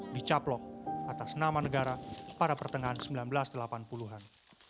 dicaplok atas nama negara pada pertengahan seribu sembilan ratus delapan puluh an